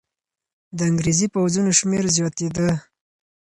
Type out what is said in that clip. د انګریزي پوځونو شمېر زیاتېده.